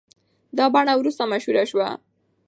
دا بڼه وروسته مشهوره شوه.